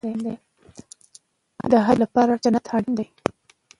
د اجر لپاره جنت اړین دی